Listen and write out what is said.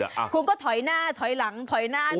อ้าวคงก็ถอยหน้าถอยหลังถอยหน้าถอยหลัง